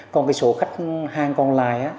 còn số khách hàng còn lại